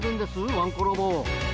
ワンコロボ。